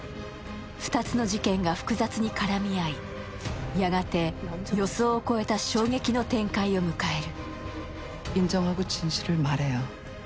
２つの事件が複雑に絡み合い、やがて予想を超えた衝撃の展開を迎える。